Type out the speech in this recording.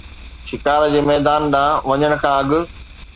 شڪار جي ميدان ڏانهن وڃڻ کان اڳ